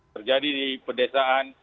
terjadi di pedesaan